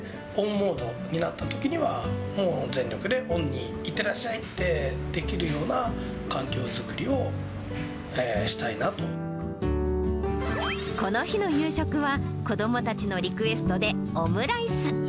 本モードになったときは、全力でオンに、いってらっしゃいってでこの日の夕食は、子どもたちのリクエストでオムライス。